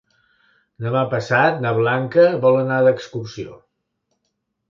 Demà passat na Blanca vol anar d'excursió.